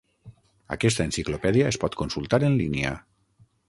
Aquesta enciclopèdia es pot consultar en línia.